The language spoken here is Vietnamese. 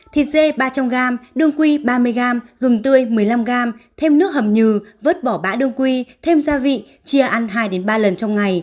thịt dê ba trăm linh g đương quy ba mươi g gừng tươi một mươi năm g thêm nước hầm nhừ vớt bỏ bã đương quy thêm gia vị chia ăn hai ba lần trong ngày